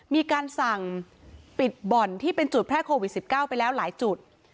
มีการสั่งปิดบ่อนที่เป็นจุดแพร่โควิด๑๙ไปแล้วหลายจุด